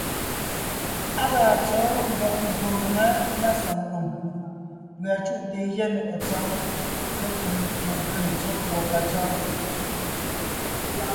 Á laa tsɔ̌ mvɔ̀g mvfò ngaŋá na saŋ lùm, pʉ̀a cúʼte gyɛ́ nɔ̀ʼɔ Tsɔ́ɔn lékem legwé tsɔ̌ fʉ̀ɔ patsɔ́ɔn.